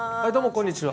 こんにちは。